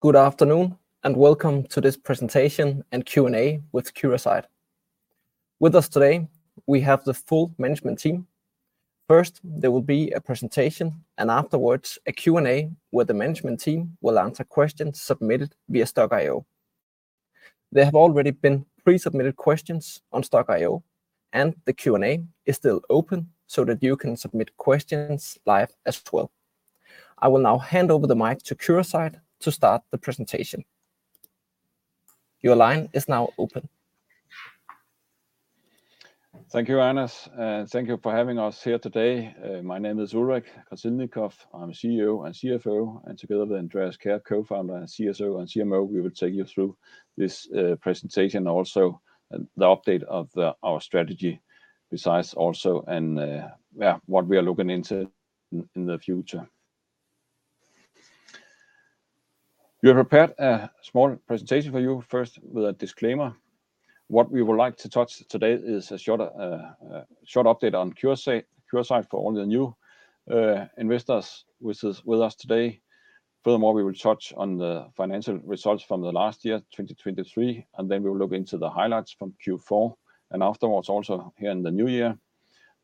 Good afternoon, and welcome to this presentation and Q&A with Curasight. With us today, we have the full management team. First, there will be a presentation, and afterwards, a Q&A, where the management team will answer questions submitted via Stokk.io. There have already been pre-submitted questions on Stokk.io, and the Q&A is still open so that you can submit questions live as well. I will now hand over the mic to Curasight to start the presentation. Your line is now open. Thank you, Anas, and thank you for having us here today. My name is Ulrich Krasilnikoff. I'm CEO and CFO, and together with Andreas Kjær, Co-Founder and CSO and CMO, we will take you through this presentation, also, and the update of our strategy, besides also and, yeah, what we are looking into in the future. We have prepared a small presentation for you, first, with a disclaimer. What we would like to touch today is a short update on Curasight for all the new investors with us, with us today. Furthermore, we will touch on the financial results from the last year, 2023, and then we will look into the highlights from Q4, and afterwards, also here in the new year.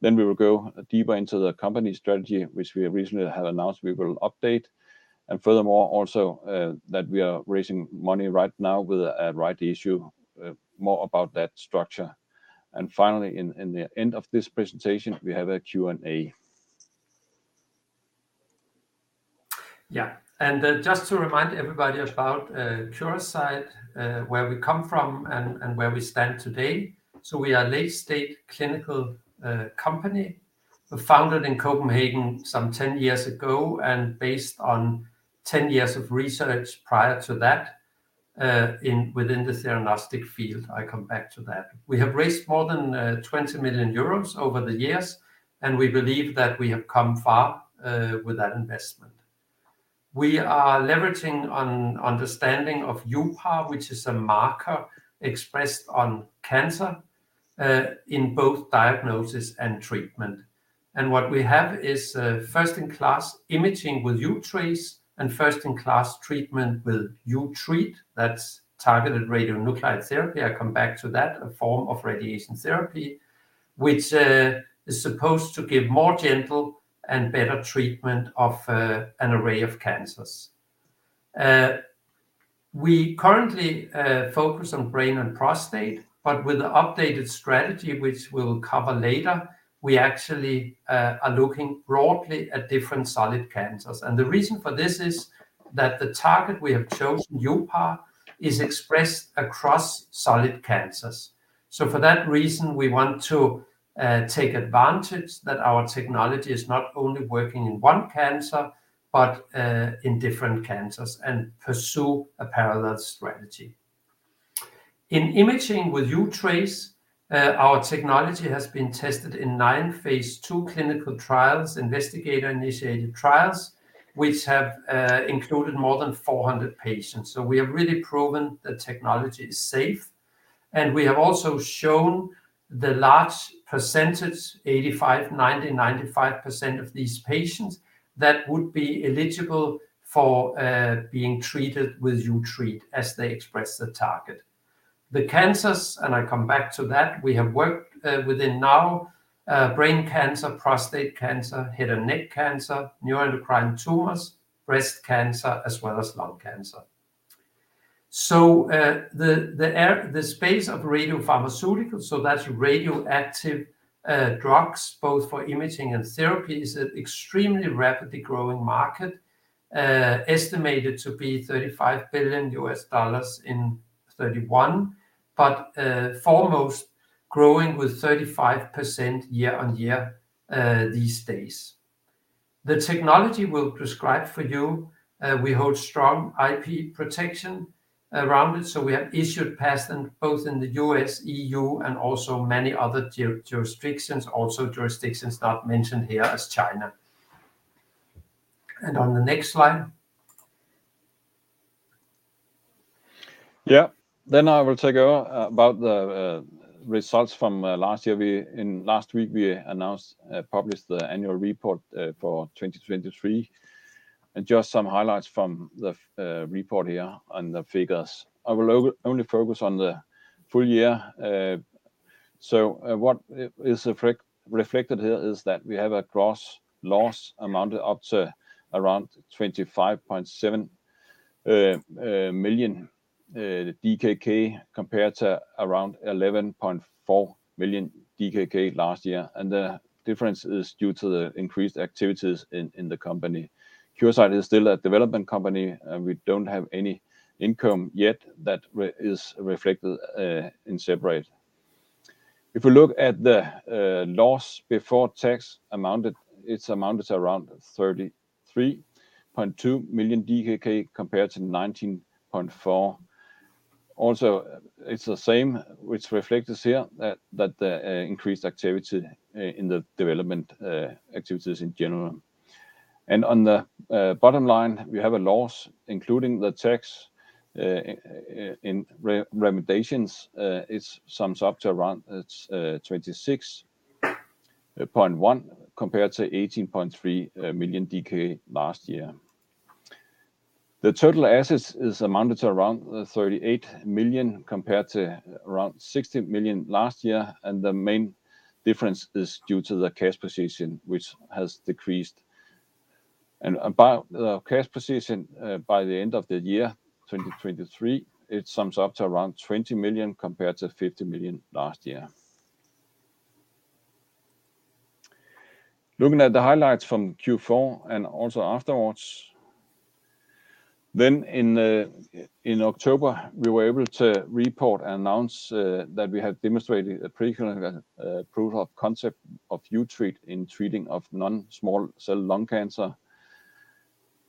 Then we will go deeper into the company strategy, which we recently have announced we will update. Furthermore, also, that we are raising money right now with a rights issue, more about that structure. Finally, in the end of this presentation, we have a Q&A. Yeah. And just to remind everybody about Curasight, where we come from and where we stand today. So we are a late-stage clinical company, founded in Copenhagen some 10 years ago and based on 10 years of research prior to that, within the theranostics field. I come back to that. We have raised more than 20 million euros over the years, and we believe that we have come far with that investment. We are leveraging on understanding of uPAR, which is a marker expressed on cancer in both diagnosis and treatment. And what we have is first-in-class imaging with uTRACE and first-in-class treatment with uTREAT. That's targeted radionuclide therapy, I come back to that, a form of radiation therapy, which is supposed to give more gentle and better treatment of an array of cancers. We currently focus on brain and prostate, but with the updated strategy, which we'll cover later, we actually are looking broadly at different solid cancers. The reason for this is that the target we have chosen, uPAR, is expressed across solid cancers. So for that reason, we want to take advantage that our technology is not only working in one cancer, but in different cancers, and pursue a parallel strategy. In imaging with uTRACE, our technology has been tested in nine phase II clinical trials, investigator-initiated trials, which have included more than 400 patients. So we have really proven the technology is safe, and we have also shown the large percentage, 85%, 90%, 95% of these patients, that would be eligible for being treated with uTREAT as they express the target. The cancers, and I come back to that, we have worked within now brain cancer, prostate cancer, head and neck cancer, neuroendocrine tumors, breast cancer, as well as lung cancer. So, the space of radiopharmaceuticals, so that's radioactive drugs, both for imaging and therapy, is an extremely rapidly growing market, estimated to be $35 billion in 2031, but foremost, growing with 35% year-on-year these days. The technology we'll describe for you, we hold strong IP protection around it, so we have issued patents both in the U.S., EU, and also many other jurisdictions, also jurisdictions not mentioned here, as China. And on the next slide. Yeah. Then I will take over about the results from last year. Last week, we announced and published the annual report for 2023, and just some highlights from the report here and the figures. I will only focus on the full year. So, what is reflected here is that we have a gross loss amounted up to around 25.7 million DKK, compared to around 11.4 million DKK last year, and the difference is due to the increased activities in the company. Curasight is still a development company, and we don't have any income yet that is reflected in separate. If you look at the loss before tax amounted, it amounted to around 33.2 million DKK compared to 19.4 million. Also, it's the same, which reflects here, that, that the increased activity in the development activities in general. And on the bottom line, we have a loss, including the tax, in recommendations. It sums up to around 26.1 compared to 18.3 million last year. The total assets is amounted to around 38 million, compared to around 60 million last year, and the main difference is due to the cash position, which has decreased. And about the cash position, by the end of the year, 2023, it sums up to around 20 million, compared to 50 million last year. Looking at the highlights from Q4 and also afterwards, then in October, we were able to report and announce that we have demonstrated a preclinical proof of concept of uTREAT in treating of non-small cell lung cancer.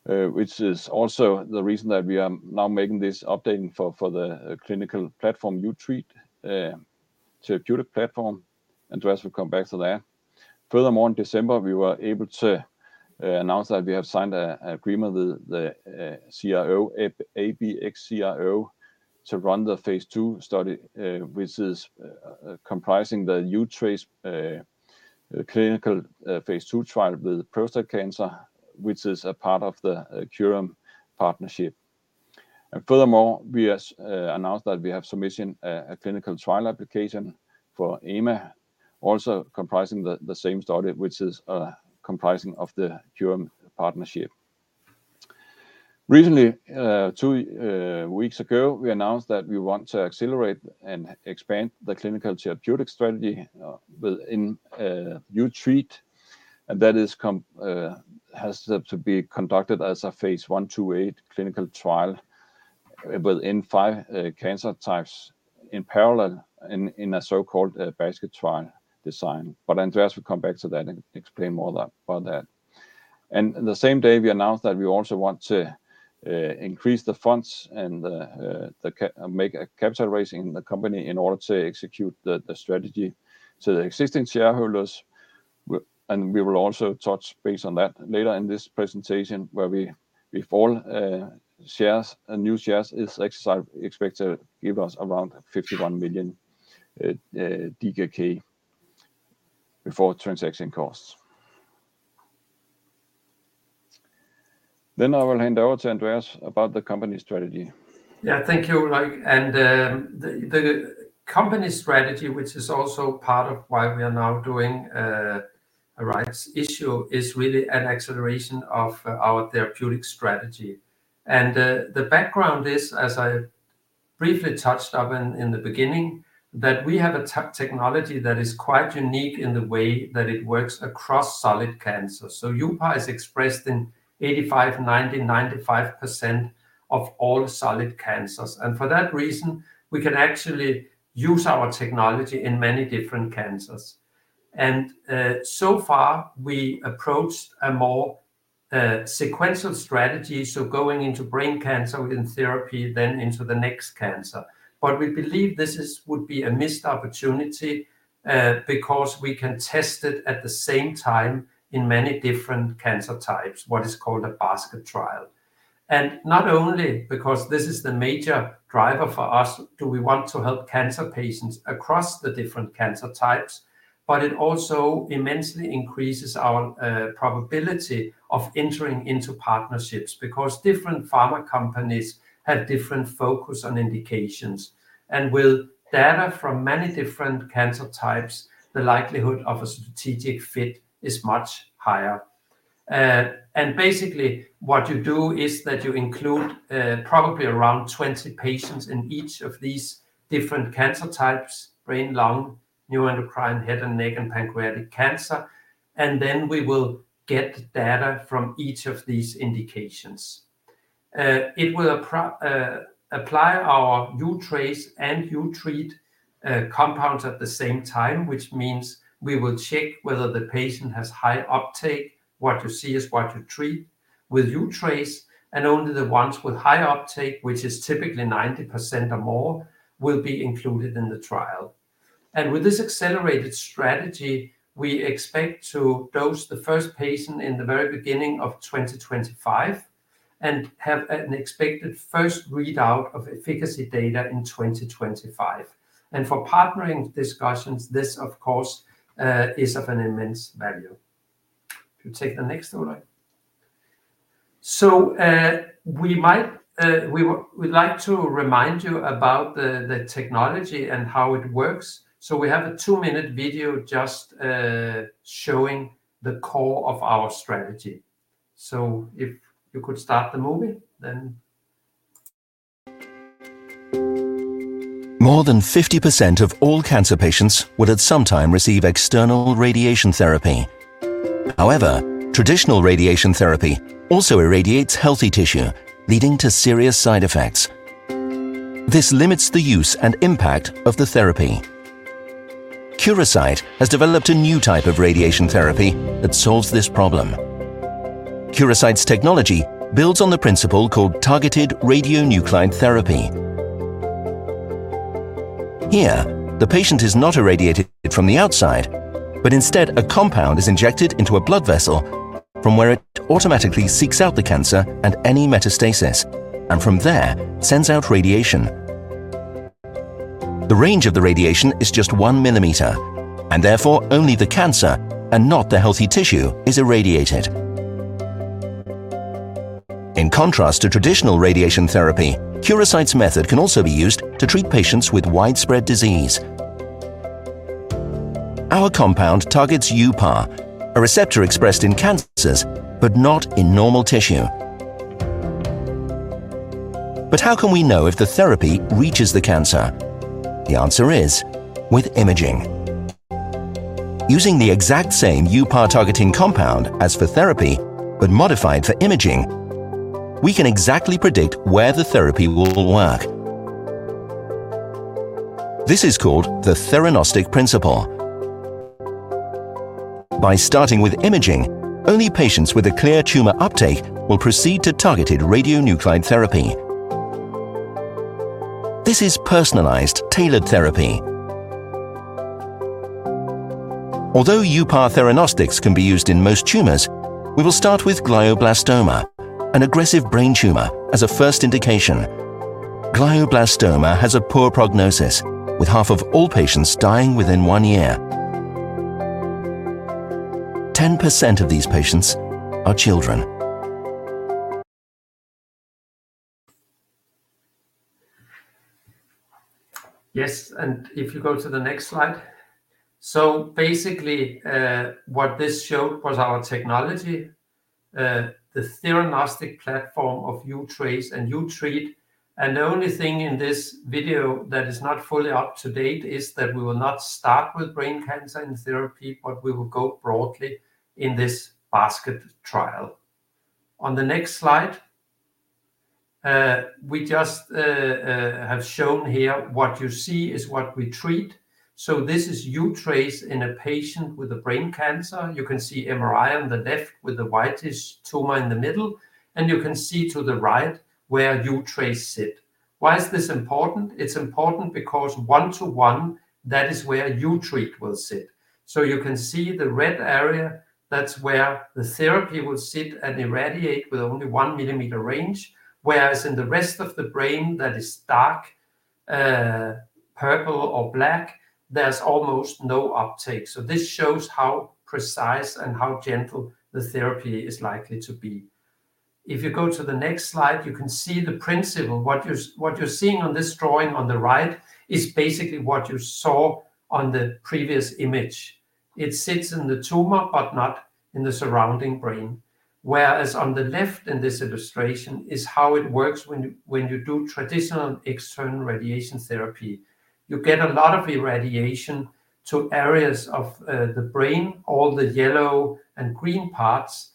Which is also the reason that we are now making this updating for the clinical platform uTREAT therapeutic platform, and Andreas will come back to that. Furthermore, in December, we were able to announce that we have signed an agreement with the CRO, ABX-CRO, to run the phase II study, which is comprising the uTRACE clinical phase II trial with prostate cancer, which is a part of the Curium partnership. Furthermore, we have announced that we have submitted a clinical trial application for EMA, also comprising the same study, which is comprising of the Curium partnership. Recently, two weeks ago, we announced that we want to accelerate and expand the clinical therapeutic strategy with uTREAT, and that has to be conducted as a phase I/II-A clinical trial within five cancer types in parallel, in a so-called basket trial design. But Andreas will come back to that and explain more about that. And the same day, we announced that we also want to increase the funds and make a capital raise in the company in order to execute the strategy. So the existing shareholders, and we will also touch base on that later in this presentation, where we, with all, shares and new shares is exercise expect to give us around 51 million DKK, before transaction costs. Then I will hand over to Andreas about the company strategy. Yeah, thank you, Ulrich. And the company strategy, which is also part of why we are now doing a rights issue, is really an acceleration of our therapeutic strategy. And the background is, as I briefly touched on in the beginning, that we have a technology that is quite unique in the way that it works across solid cancer. So uPAR is expressed in 85%-95% of all solid cancers, and for that reason, we can actually use our technology in many different cancers. And so far, we approached a more sequential strategy, so going into brain cancer with therapy, then into the next cancer. But we believe this would be a missed opportunity because we can test it at the same time in many different cancer types, what is called a basket trial. And not only because this is the major driver for us, do we want to help cancer patients across the different cancer types, but it also immensely increases our probability of entering into partnerships, because different pharma companies have different focus on indications. And with data from many different cancer types, the likelihood of a strategic fit is much higher. And basically, what you do is that you include probably around 20 patients in each of these different cancer types: brain, lung, neuroendocrine, head and neck, and pancreatic cancer. And then we will get data from each of these indications. It will apply our uTRACE and uTREAT compounds at the same time, which means we will check whether the patient has high uptake. What you see is what you treat with uTRACE, and only the ones with high uptake, which is typically 90% or more, will be included in the trial. With this accelerated strategy, we expect to dose the first patient in the very beginning of 2025, and have an expected first readout of efficacy data in 2025. For partnering discussions, this, of course, is of an immense value. You take the next, Ulrich? So, we might, we'd like to remind you about the technology and how it works. So we have a two-minute video just showing the core of our strategy. So if you could start the movie, then... More than 50% of all cancer patients will at some time receive external radiation therapy. However, traditional radiation therapy also irradiates healthy tissue, leading to serious side effects. This limits the use and impact of the therapy. Curasight has developed a new type of radiation therapy that solves this problem. Curasight's technology builds on the principle called targeted radionuclide therapy. Here, the patient is not irradiated from the outside, but instead, a compound is injected into a blood vessel, from where it automatically seeks out the cancer and any metastasis, and from there, sends out radiation. The range of the radiation is just 1 mm, and therefore, only the cancer and not the healthy tissue is irradiated. In contrast to traditional radiation therapy, Curasight's method can also be used to treat patients with widespread disease. Our compound targets uPAR, a receptor expressed in cancers but not in normal tissue. But how can we know if the therapy reaches the cancer? The answer is: with imaging. Using the exact same uPAR targeting compound as for therapy, but modified for imaging, we can exactly predict where the therapy will work. This is called the theranostic principle. By starting with imaging, only patients with a clear tumor uptake will proceed to targeted radionuclide therapy. This is personalized, tailored therapy. Although uPAR theranostics can be used in most tumors, we will start with Glioblastoma, an aggressive brain tumor, as a first indication. Glioblastoma has a poor prognosis, with half of all patients dying within one year. 10% of these patients are children. Yes, and if you go to the next slide. So basically, what this showed was our technology, the theranostic platform of uTRACE and uTREAT. And the only thing in this video that is not fully up-to-date is that we will not start with brain cancer in therapy, but we will go broadly in this basket trial. On the next slide, we just have shown here, what you see is what we treat. So this is uTRACE in a patient with a brain cancer. You can see MRI on the left with the whitish tumor in the middle, and you can see to the right where uTRACE sit. Why is this important? It's important because one to one, that is where uTREAT will sit. So you can see the red area, that's where the therapy will sit and irradiate with only one millimeter range. Whereas in the rest of the brain, that is dark, purple or black, there's almost no uptake. So this shows how precise and how gentle the therapy is likely to be. If you go to the next slide, you can see the principle. What you're seeing on this drawing on the right is basically what you saw on the previous image. It sits in the tumor, but not in the surrounding brain. Whereas on the left in this illustration is how it works when you do traditional external radiation therapy. You get a lot of irradiation to areas of the brain, all the yellow and green parts,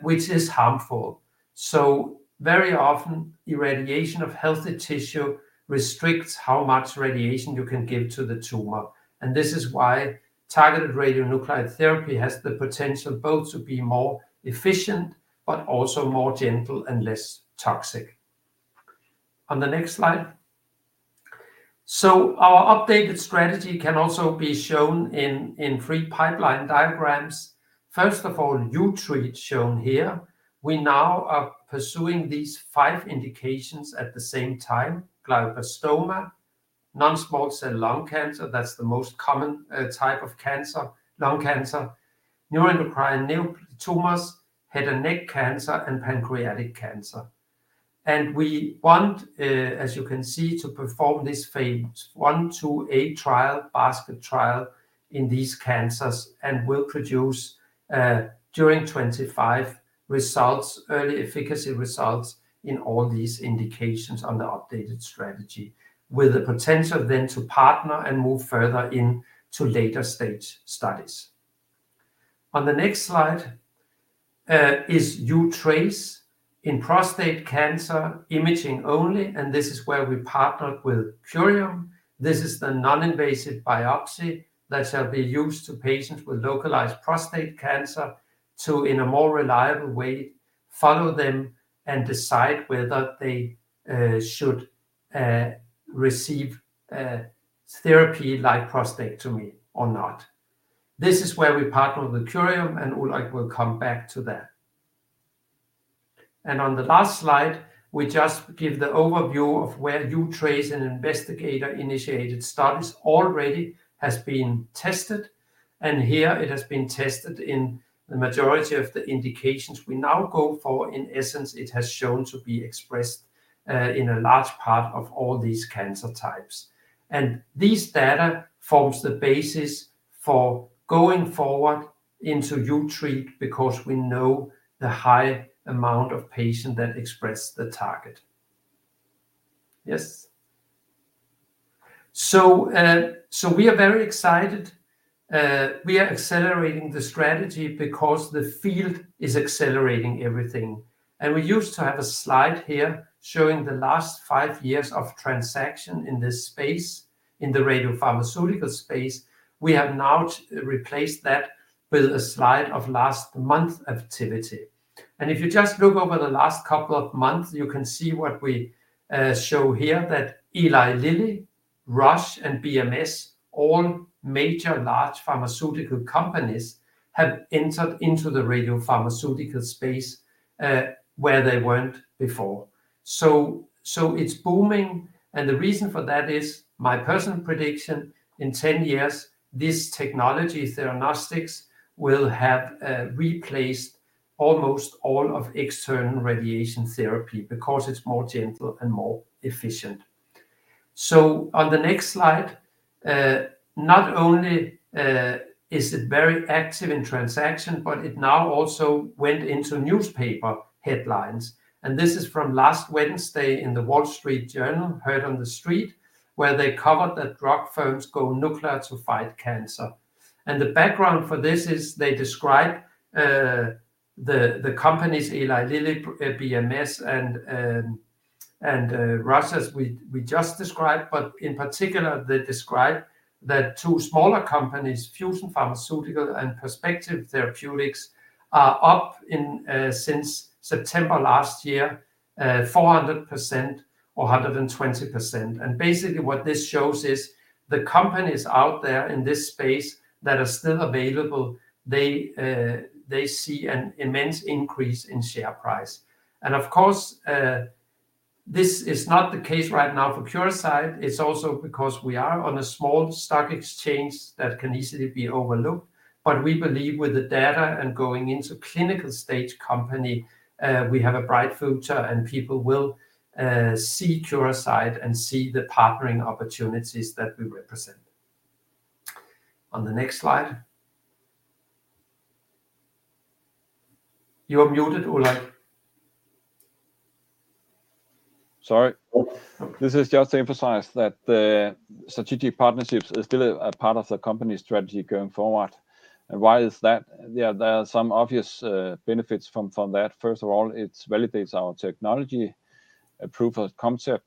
which is harmful. So very often, irradiation of healthy tissue restricts how much radiation you can give to the tumor, and this is why targeted radionuclide therapy has the potential both to be more efficient but also more gentle and less toxic. On the next slide. So our updated strategy can also be shown in three pipeline diagrams. First of all, uTREAT shown here. We now are pursuing these five indications at the same time: glioblastoma, non-small cell lung cancer, that's the most common type of cancer, lung cancer, neuroendocrine neoplasm tumors, head and neck cancer, and pancreatic cancer. We want, as you can see, to perform this phase I/II-A trial, basket trial in these cancers, and will produce, during 2025 results, early efficacy results in all these indications on the updated strategy, with the potential then to partner and move further into later stage studies. On the next slide, is uTRACE in prostate cancer imaging only, and this is where we partnered with Curium. This is the non-invasive biopsy that shall be used to patients with localized prostate cancer, to, in a more reliable way, follow them and decide whether they should receive therapy like prostatectomy or not. This is where we partner with Curium, and, Ulrich, will come back to that. On the last slide, we just give the overview of where uTRACE and investigator-initiated studies already has been tested, and here it has been tested in the majority of the indications we now go for. In essence, it has shown to be expressed, in a large part of all these cancer types. And this data forms the basis for going forward into uTREAT because we know the high amount of patient that express the target. Yes. So, so we are very excited. We are accelerating the strategy because the field is accelerating everything. And we used to have a slide here showing the last five years of transaction in this space, in the radiopharmaceutical space. We have now replaced that with a slide of last month activity. If you just look over the last couple of months, you can see what we show here, that Eli Lilly, Roche, and BMS, all major large pharmaceutical companies, have entered into the radiopharmaceutical space, where they weren't before. So, so it's booming, and the reason for that is, my personal prediction, in 10 years, this technology, theranostics, will have replaced almost all of external radiation therapy because it's more gentle and more efficient. So on the next slide, not only is it very active in transaction, but it now also went into newspaper headlines, and this is from last Wednesday in The Wall Street Journal, Heard on the Street, where they covered that drug firms go nuclear to fight cancer. And the background for this is they describe, the, the company's Eli Lilly, BMS, and, and, Roche, as we, we just described, but in particular, they describe that two smaller companies, Fusion Pharmaceuticals and Perspective Therapeutics, are up in, since September last year, 400% or 120%. And basically, what this shows is the companies out there in this space that are still available, they, they see an immense increase in share price. And of course, this is not the case right now for Curasight. It's also because we are on a small stock exchange that can easily be overlooked. But we believe with the data and going into clinical stage company, we have a bright future and people will, see Curasight and see the partnering opportunities that we represent. On the next slide. You are muted, Ulrich. Sorry. This is just to emphasize that the strategic partnerships is still a part of the company strategy going forward. And why is that? Yeah, there are some obvious benefits from that. First of all, it validates our technology, a proof of concept.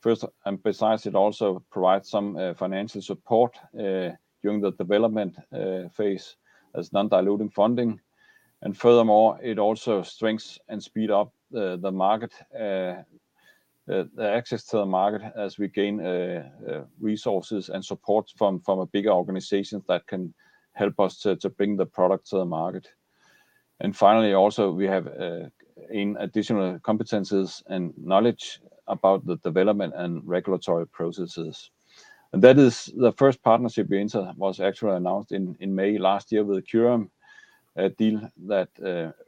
First, and besides, it also provides some financial support during the development phase as non-diluting funding. And furthermore, it also strengths and speed up the market access to the market as we gain resources and support from a bigger organization that can help us to bring the product to the market. And finally, also, we have in additional competencies and knowledge about the development and regulatory processes. That is the first partnership we enter, was actually announced in May last year with Curium, a deal that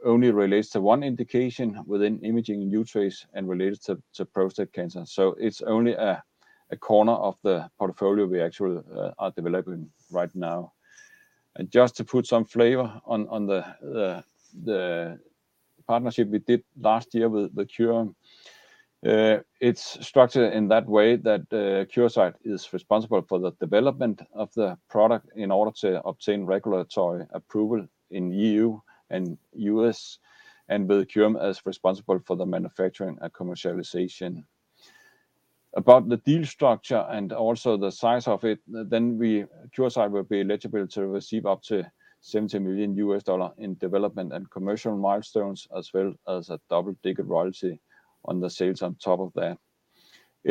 only relates to one indication within imaging radiopharmaceuticals and related to prostate cancer. So it's only a corner of the portfolio we actually are developing right now. And just to put some flavor on the partnership we did last year with Curium, it's structured in that way that Curasight is responsible for the development of the product in order to obtain regulatory approval in EU and U.S., and with Curium as responsible for the manufacturing and commercialization. About the deal structure and also the size of it, then we, Curasight will be eligible to receive up to $70 million in development and commercial milestones, as well as a double-digit royalty on the sales on top of that.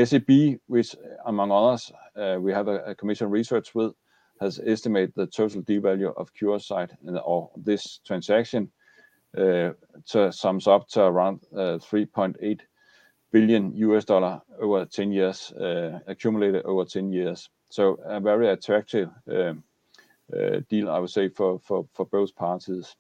SEB, which among others, we have a commissioned research with, has estimated the total deal value of Curasight and of this transaction to sum up to around $3.8 billion over 10 years, accumulated over 10 years. So a very attractive deal, I would say, for both parties.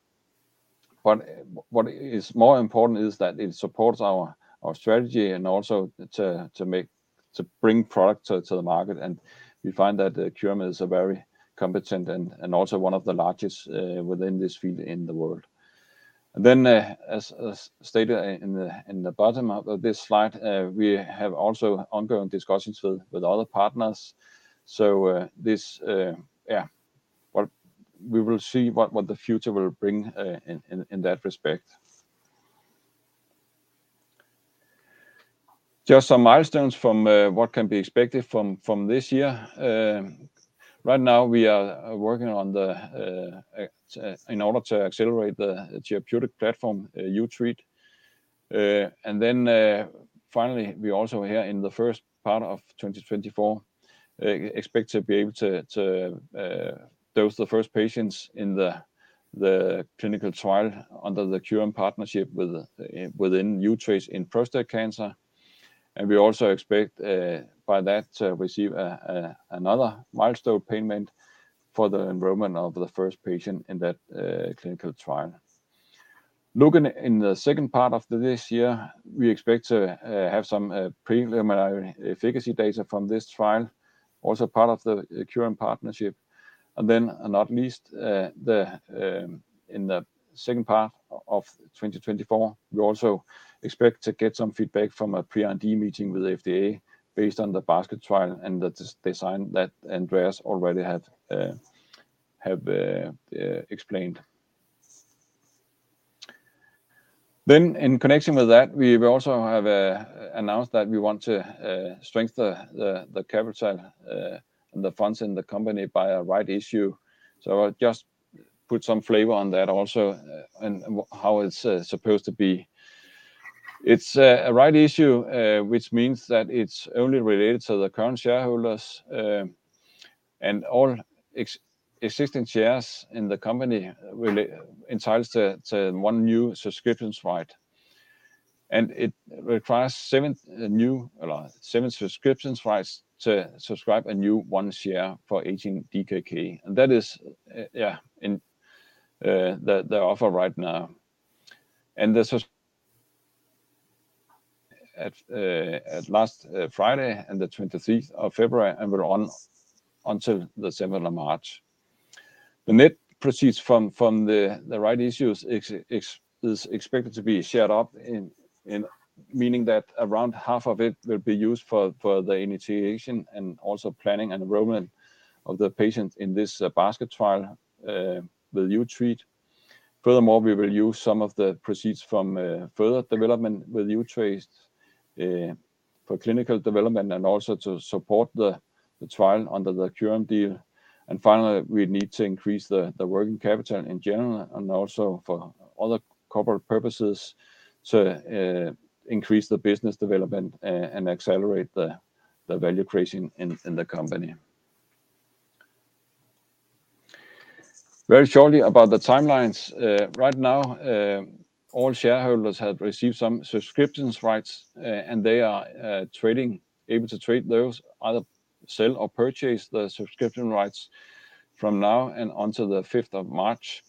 But what is more important is that it supports our strategy and also to make, to bring product to the market, and we find that Curium is a very competent and also one of the largest within this field in the world. As stated in the bottom of this slide, we have also ongoing discussions with other partners. So, this yeah. But we will see what the future will bring in that respect. Just some milestones from what can be expected from this year. Right now, we are working on in order to accelerate the therapeutic platform uTREAT. And then, finally, we also here in the first part of 2024 expect to be able to dose the first patients in the clinical trial under the Curium partnership with uTRACE in prostate cancer. And we also expect by that to receive another milestone payment for the enrollment of the first patient in that clinical trial. Looking in the second part of this year, we expect to have some preliminary efficacy data from this trial, also part of the Curium partnership. And then, and not least, in the second part of 2024, we also expect to get some feedback from a Pre-IND meeting with the FDA based on the basket trial and the design that Andreas already had, have, explained. Then in connection with that, we also have announced that we want to strengthen the capital, the funds in the company by a rights issue. So I'll just put some flavor on that also, and how it's supposed to be. It's a rights issue, which means that it's only related to the current shareholders, and all existing shares in the company really entitles to one new subscription right. And it requires seven subscription rights to subscribe a new one share for 18 DKK, and that is, yeah, in the offer right now. And this was at last Friday and the twenty-third of February, and we're on until the seventh of March. The net proceeds from the rights issue is expected to be shared up in meaning that around half of it will be used for the initiation and also planning and enrollment of the patient in this basket trial with uTREAT. Furthermore, we will use some of the proceeds from further development with uTREAT for clinical development, and also to support the trial under the current deal. Finally, we need to increase the working capital in general, and also for other corporate purposes to increase the business development and accelerate the value creation in the company. Very shortly about the timelines. Right now, all shareholders have received some subscription rights, and they are tradable, able to trade those, either sell or purchase the subscription rights from now and onto March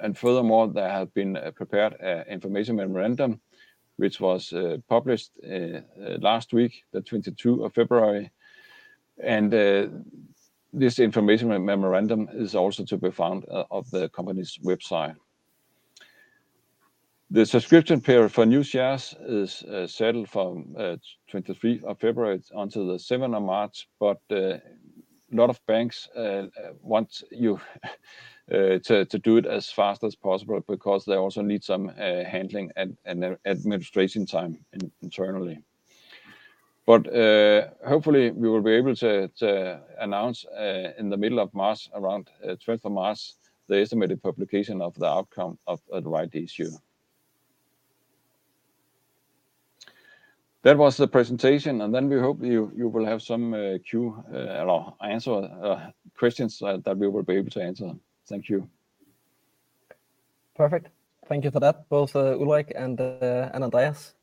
5. Furthermore, there have been prepared an information memorandum, which was published last week, February 22. This information memorandum is also to be found on the company's website. The subscription period for new shares is settled from 23rd of February until the 7th of March, but a lot of banks want you to do it as fast as possible because they also need some handling and administration time internally. But hopefully, we will be able to announce in the middle of March, around 12th of March, the estimated publication of the outcome of the rights issue. That was the presentation, and then we hope you will have some questions or answers that we will be able to answer. Thank you. Perfect. Thank you for that, both, Ulrich and, and Andreas.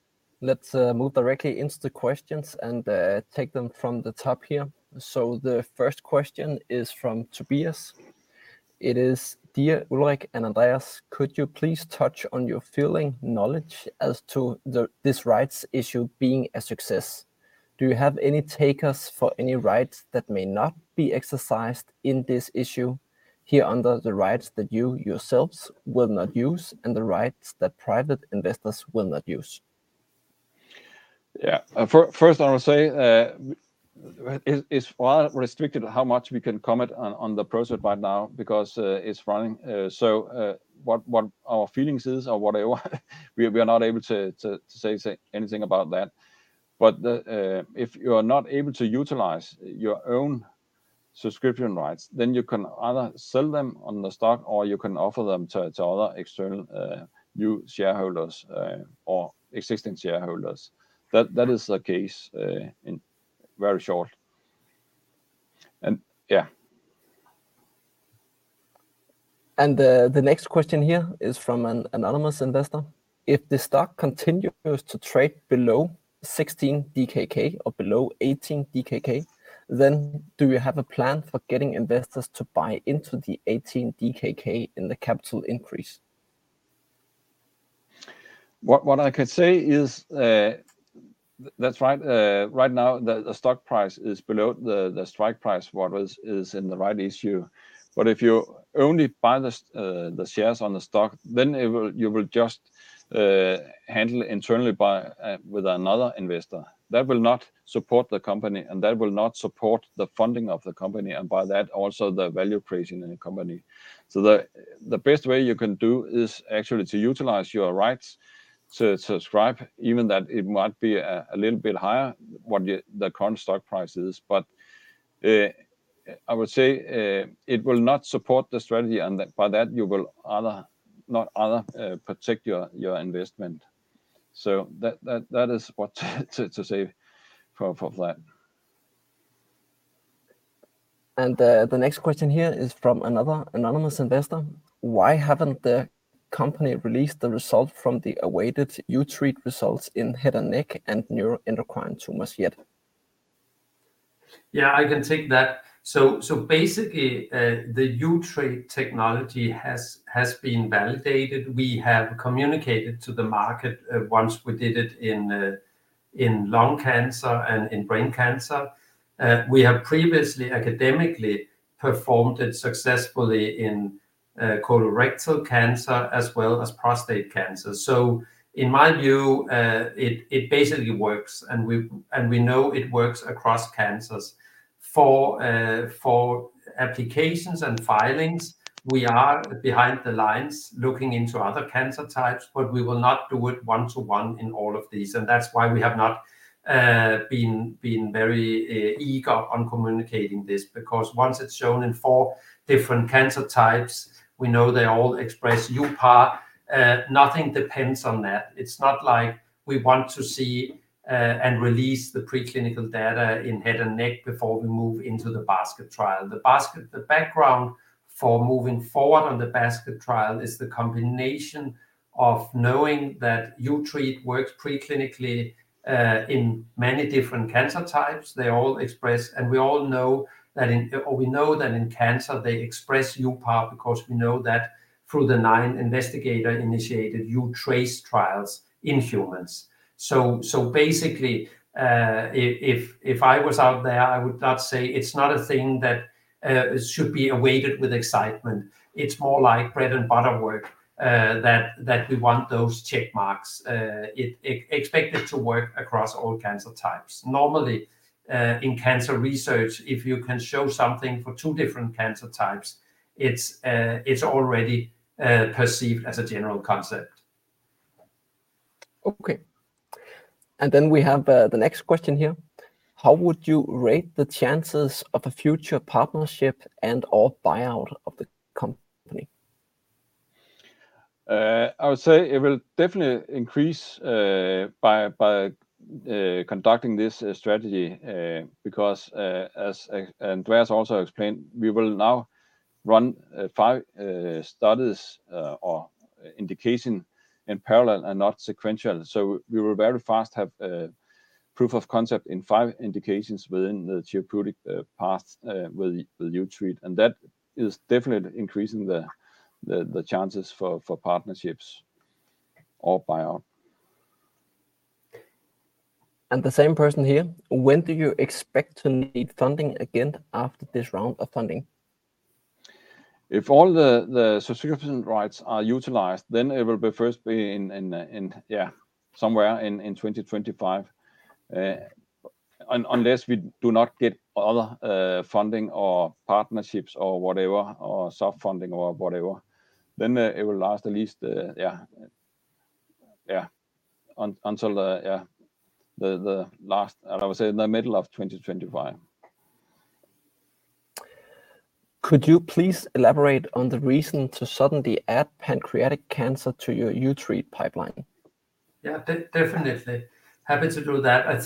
Let's move directly into the questions and take them from the top here. So the first question is from Tobias. It is, "Dear Ulrich and Andreas, could you please touch on your feeling, knowledge as to the, this rights issue being a success? Do you have any takers for any rights that may not be exercised in this issue here under the rights that you yourselves will not use, and the rights that private investors will not use? Yeah. First, I will say, it's rather restricted how much we can comment on the process right now because it's running. So, what our feelings is or whatever, we are not able to say anything about that. But if you are not able to utilize your own subscription rights, then you can either sell them on the stock, or you can offer them to other external new shareholders or existing shareholders. That is the case in very short. And yeah. The next question here is from an anonymous investor: "If the stock continues to trade below 16 DKK or below 18 DKK, then do you have a plan for getting investors to buy into the 18 DKK in the capital increase? What I can say is, that's right, right now, the stock price is below the strike price what is in the rights issue. But if you only buy the shares on the stock, then it will you will just handle internally by with another investor. That will not support the company, and that will not support the funding of the company, and by that, also the value creation in the company. So the best way you can do is actually to utilize your rights to subscribe, even that it might be a little bit higher what the current stock price is. But I would say it will not support the strategy, and that by that, you will either not protect your investment. So that is what to say for that. The next question here is from another anonymous investor: "Why haven't the company released the result from the awaited uTREAT results in head and neck and neuroendocrine tumors yet? Yeah, I can take that. So, so basically, the uTREAT technology has, has been validated. We have communicated to the market once we did it in in lung cancer and in brain cancer. We have previously academically performed it successfully in colorectal cancer as well as prostate cancer. So in my view, it, it basically works, and we, and we know it works across cancers. For for applications and filings, we are behind the lines looking into other cancer types, but we will not do it one-to-one in all of these, and that's why we have not been, been very eager on communicating this. Because once it's shown in four different cancer types, we know they all express uPAR, nothing depends on that. It's not like we want to see and release the preclinical data in head and neck before we move into the basket trial. The background for moving forward on the basket trial is the combination of knowing that uTREAT works preclinically in many different cancer types. They all express, and we all know that in, or we know that in cancer they express uPAR because we know that through the nine investigator-initiated uTRACE trials in humans. So basically, if I was out there, I would not say it's not a thing that should be awaited with excitement. It's more like bread and butter work that we want those check marks. Expect it to work across all cancer types. Normally, in cancer research, if you can show something for two different cancer types, it's already perceived as a general concept. Okay. And then we have the next question here: How would you rate the chances of a future partnership and/or buyout of the company? I would say it will definitely increase by conducting this strategy because as Andreas also explained, we will now run five studies or indication in parallel and not sequential. So we will very fast have proof of concept in five indications within the therapeutic path with uTREAT®, and that is definitely increasing the chances for partnerships or buyout. The same person here: When do you expect to need funding again after this round of funding? If all the subscription rights are utilized, then it will first be somewhere in 2025. Unless we do not get other funding or partnerships or whatever, or soft funding or whatever, then it will last at least until the last, I would say the middle of 2025. Could you please elaborate on the reason to suddenly add pancreatic cancer to your uTREAT pipeline? Yeah, definitely. Happy to do that. I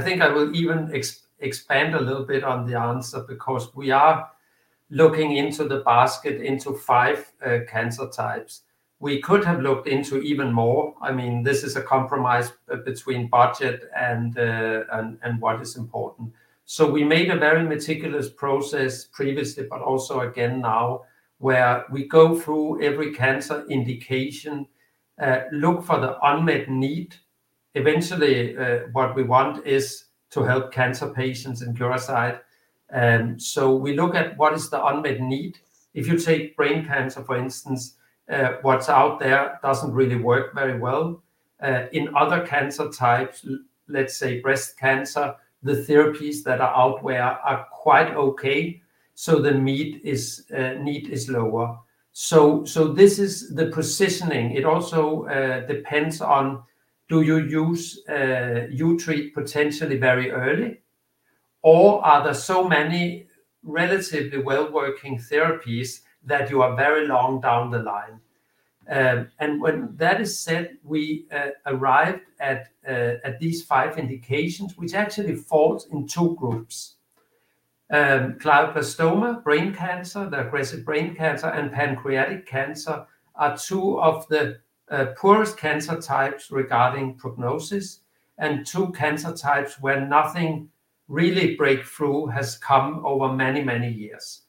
think I will even expand a little bit on the answer, because we are looking into the basket, into five cancer types. We could have looked into even more. I mean, this is a compromise between budget and what is important. So we made a very meticulous process previously, but also again now, where we go through every cancer indication, look for the unmet need. Eventually, what we want is to help cancer patients and Curasight, and so we look at what is the unmet need. If you take brain cancer, for instance, what's out there doesn't really work very well. In other cancer types, let's say breast cancer, the therapies that are out there are quite okay, so the need is, need is lower. So, this is the positioning. It also depends on do you use uTREAT potentially very early, or are there so many relatively well-working therapies that you are very long down the line? And when that is said, we arrived at these five indications, which actually falls in two groups. Glioblastoma, brain cancer, the aggressive brain cancer, and pancreatic cancer are two of the poorest cancer types regarding prognosis, and two cancer types where nothing really breakthrough has come over many, many years.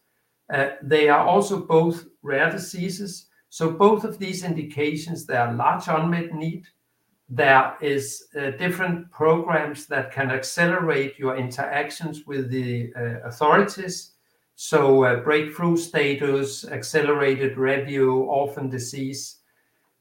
They are also both rare diseases, so both of these indications, there are large unmet need. There is different programs that can accelerate your interactions with the authorities, so Breakthrough status, accelerated review, orphan disease.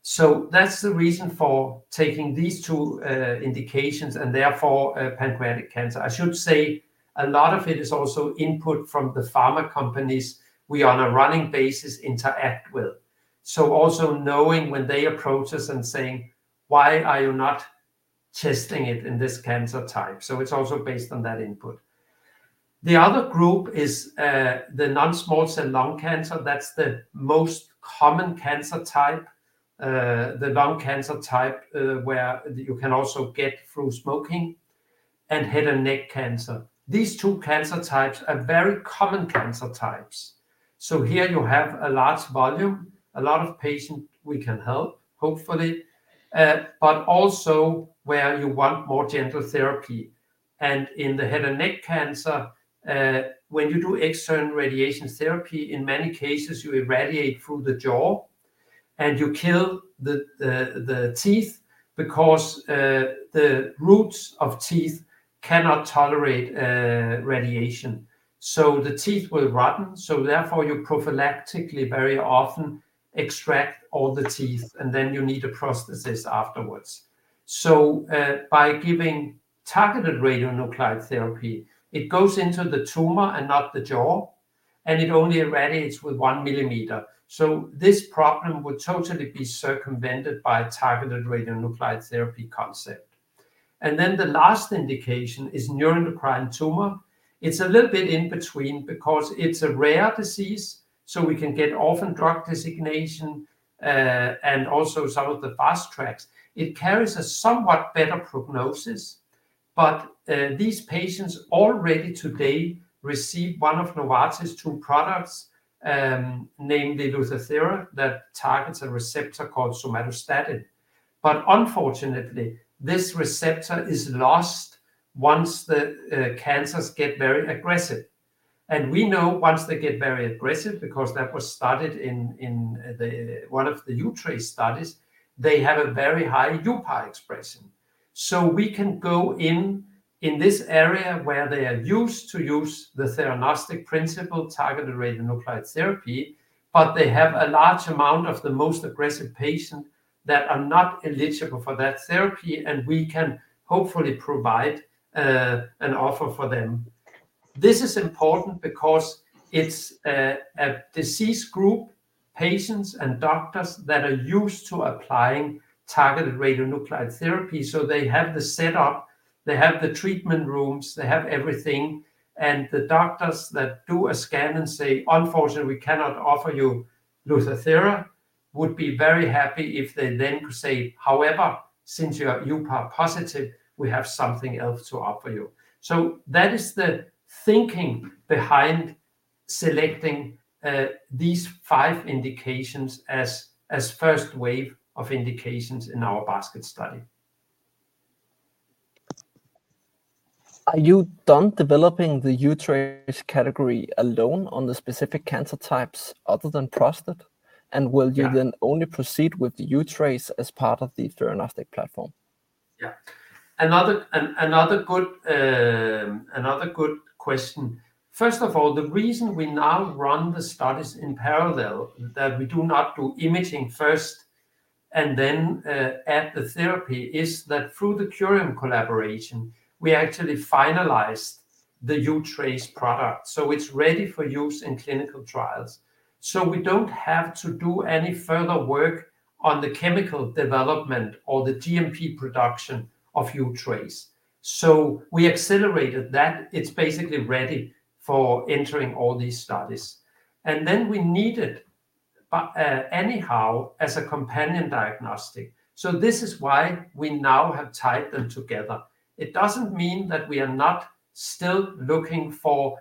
So that's the reason for taking these two indications and therefore, pancreatic cancer. I should say a lot of it is also input from the pharma companies we on a running basis interact with. So also knowing when they approach us and saying, "Why are you not testing it in this cancer type?" So it's also based on that input. The other group is the non-small cell lung cancer, that's the most common cancer type, the lung cancer type, where you can also get through smoking, and head and neck cancer. These two cancer types are very common cancer types, so here you have a large volume, a lot of patient we can help, hopefully, but also where you want more gentle therapy. And in the head and neck cancer, when you do external radiation therapy, in many cases you irradiate through the jaw, and you kill the teeth because the roots of teeth cannot tolerate radiation. So the teeth will rotten, so therefore, you prophylactically very often extract all the teeth, and then you need a prosthesis afterwards. So, by giving targeted radionuclide therapy, it goes into the tumor and not the jaw, and it only irradiates with one millimeter. So this problem would totally be circumvented by a targeted radionuclide therapy concept. And then the last indication is neuroendocrine tumor. It's a little bit in between because it's a rare disease, so we can get Orphan drug designation, and also some of the fast tracks. It carries a somewhat better prognosis, but these patients already today receive one of Novartis' two products, named Lutathera, that targets a receptor called somatostatin. But unfortunately, this receptor is lost once the cancers get very aggressive. And we know once they get very aggressive, because that was studied in one of the uTRACE studies, they have a very high uPAR express. So we can go in this area where they are used to use the theranostic principle, targeted radionuclide therapy, but they have a large amount of the most aggressive patient that are not eligible for that therapy, and we can hopefully provide an offer for them. This is important because it's a disease group, patients and doctors, that are used to applying targeted radionuclide therapy, so they have the setup, they have the treatment rooms, they have everything. The doctors that do a scan and say, "Unfortunately, we cannot offer you Lutathera," would be very happy if they then could say, "However, since you are uPAR positive, we have something else to offer you." That is the thinking behind selecting these five indications as first wave of indications in our basket study. Are you done developing the uTRACE category alone on the specific cancer types other than prostate? Yeah. Will you then only proceed with the uTRACE as part of the theranostic platform? Yeah. Another good question. First of all, the reason we now run the studies in parallel, that we do not do imaging first and then add the therapy, is that through the Curium collaboration, we actually finalized the uTRACE product, so it's ready for use in clinical trials. So we don't have to do any further work on the chemical development or the GMP production of uTRACE. So we accelerated that. It's basically ready for entering all these studies. And then we need it anyhow, as a companion diagnostic. So this is why we now have tied them together. It doesn't mean that we are not still looking for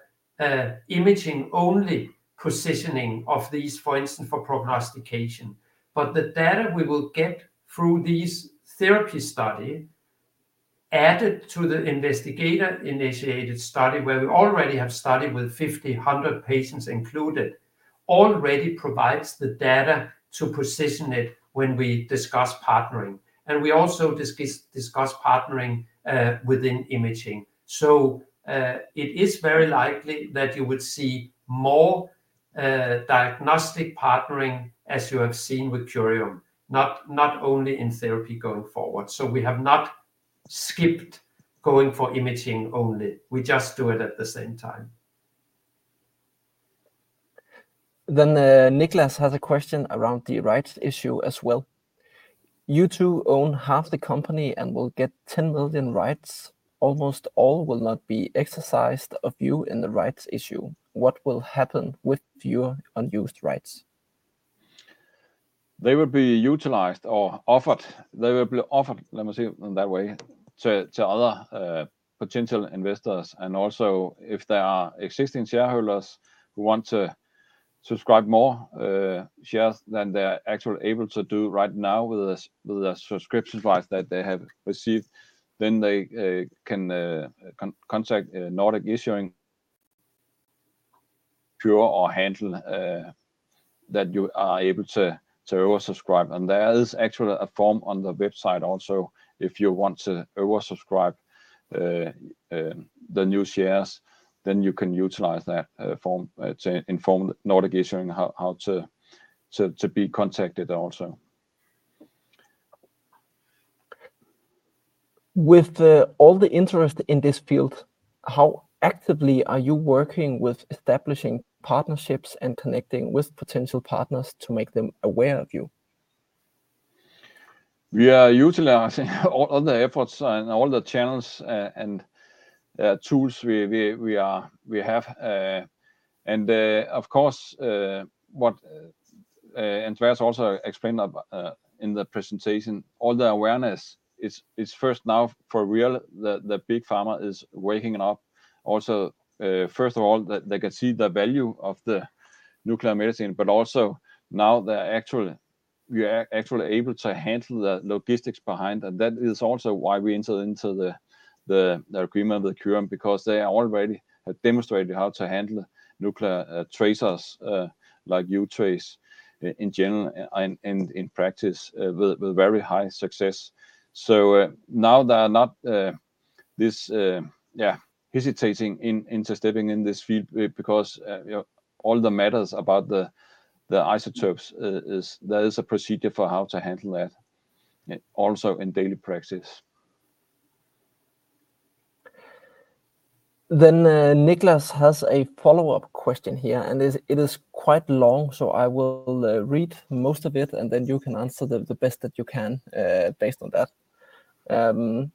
imaging-only positioning of these, for instance, for prognostication. But the data we will get through this therapy study, added to the investigator-initiated study, where we already have studied with 50, 100 patients included, already provides the data to position it when we discuss partnering. And we also discuss partnering within imaging. So, it is very likely that you would see more diagnostic partnering, as you have seen with Curium, not only in therapy going forward. So we have not skipped going for imaging only. We just do it at the same time. Then, Niklas has a question around the rights issue as well. "You two own half the company and will get 10 million rights. Almost all will not be exercised of you in the rights issue. What will happen with your unused rights? They will be utilized or offered. They will be offered, let me say it in that way, to other potential investors, and also, if there are existing shareholders who want to subscribe more shares than they are actually able to do right now with the subscription rights that they have received, then they can contact Nordic Issuing for handling that you are able to oversubscribe. And there is actually a form on the website also, if you want to oversubscribe the new shares, then you can utilize that form to inform Nordic Issuing how to be contacted also. With all the interest in this field, how actively are you working with establishing partnerships and connecting with potential partners to make them aware of you? We are utilizing all the efforts and all the channels and tools we have. And of course, what Andreas also explained in the presentation, all the awareness is first now for real, the big pharma is waking up. Also, first of all, they can see the value of the nuclear medicine, but also now they're actually... we are actually able to handle the logistics behind them. That is also why we entered into the agreement with Curium, because they already have demonstrated how to handle nuclear tracers like uTRACE, in general and in practice with very high success. So, now they are not... hesitating into stepping in this field because, you know, all the matters about the isotopes. There is a procedure for how to handle that, also in daily practice. Then, Niklas has a follow-up question here, and it is quite long, so I will read most of it, and then you can answer the best that you can, based on that.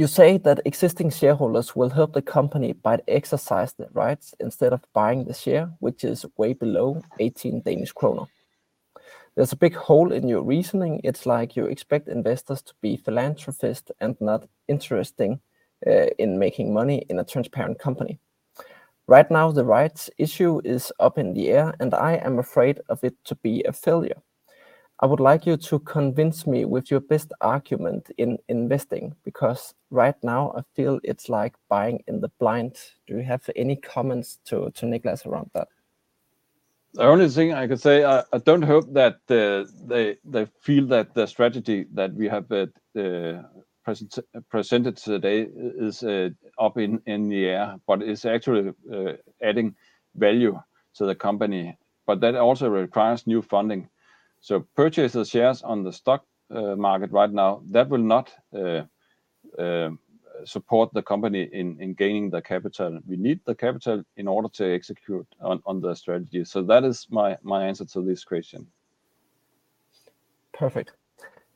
"You say that existing shareholders will help the company by exercising their rights instead of buying the share, which is way below 18 Danish kroner. There's a big hole in your reasoning. It's like you expect investors to be philanthropists and not interested in making money in a transparent company. Right now, the rights issue is up in the air, and I am afraid of it to be a failure. I would like you to convince me with your best argument in investing, because right now I feel it's like buying in the blind." Do you have any comments to Niklas around that? The only thing I can say, I don't hope that they feel that the strategy that we have presented today is up in the air, but it's actually adding value to the company. But that also requires new funding. So purchase the shares on the stock market right now, that will not support the company in gaining the capital. We need the capital in order to execute on the strategy. So that is my answer to this question. Perfect.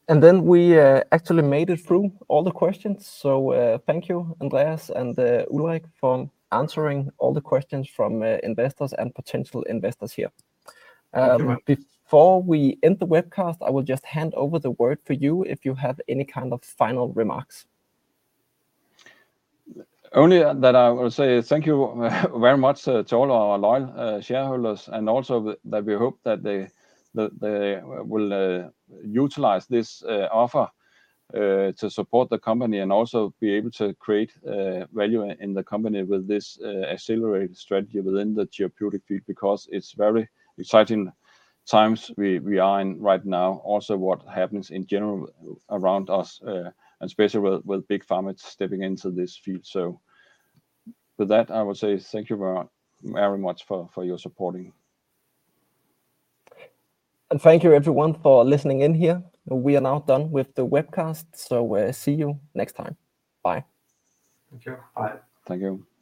Then we actually made it through all the questions, so thank you, Andreas and Ulrich, for answering all the questions from investors and potential investors here. Thank you. Before we end the webcast, I will just hand over the word for you, if you have any kind of final remarks. Only that I will say thank you very much to all our loyal shareholders, and also that we hope that they, that they will utilize this offer to support the company and also be able to create value in the company with this accelerated strategy within the therapeutic field, because it's very exciting times we are in right now. Also, what happens in general around us, and especially with big pharma stepping into this field. So with that, I will say thank you very, very much for your supporting. Thank you everyone for listening in here. We are now done with the webcast, so we'll see you next time. Bye. Thank you. Bye. Thank you.